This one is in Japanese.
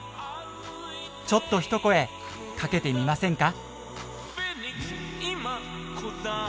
ちょっとひと声かけてみませんか？